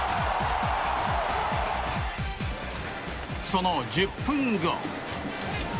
その１０分後。